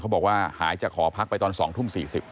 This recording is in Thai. บอกว่าหายจากหอพักไปตอน๒ทุ่ม๔๐